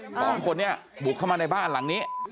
สองคนนี้บุกเข้ามาในบ้านหลังนี้